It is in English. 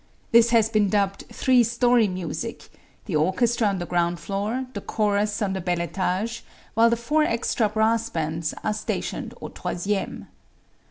This has been dubbed "three story music" the orchestra on the ground floor, the chorus on the belle étage, while the four extra brass bands are stationed aux troisième.